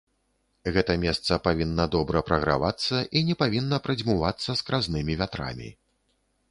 Гэта месца павінна добра прагравацца і не павінна прадзьмувацца скразнымі вятрамі.